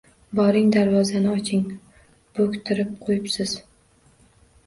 Boring darvozani oching, bo`ktirib qo`yibsiz